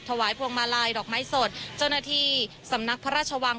ถวายพวงมาลัยดอกไม้สดเจ้าหน้าที่สำนักพระราชวัง